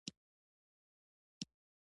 زراعت د افغانستان په هره برخه کې موندل کېږي.